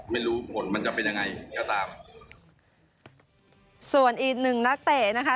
ไม่รู้ผลมันจะเป็นยังไงก็ตามส่วนอีกหนึ่งนักเตะนะคะ